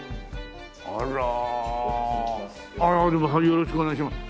よろしくお願いします。